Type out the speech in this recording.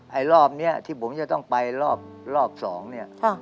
ไอ้รอบนี้ที่ผมจะต้องไปรอบสองเนี่ย